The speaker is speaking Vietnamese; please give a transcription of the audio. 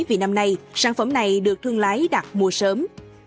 vì năm nay sản phẩm này được thương lái đặt mua sớm